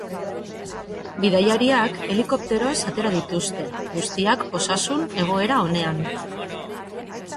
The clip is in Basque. Bidaiariak helikopteroz atera dituzte, guztiak osasun egoera onean.